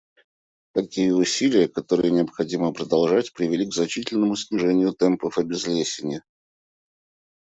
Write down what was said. Такие усилия, которые необходимо продолжать, привели к значительному снижению темпов обезлесения.